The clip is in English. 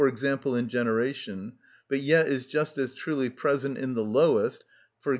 g._, in generation, but yet is just as truly present in the lowest, _e.g.